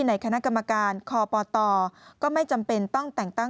ในคณะกรรมการคปตก็ไม่จำเป็นต้องแต่งตั้ง